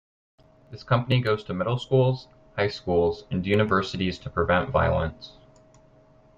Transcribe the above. This company goes to middle schools, high schools, and universities to prevent violence.